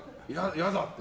嫌だって。